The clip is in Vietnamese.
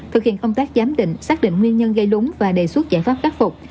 thực hiện công tác giám định xác định nguyên nhân gây lúng và đề xuất giải pháp khắc phục